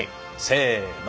せの。